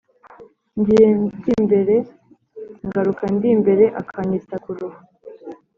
Ngiye ndi imbere ngaruka ndi imbere-Akanyita k'uruhu.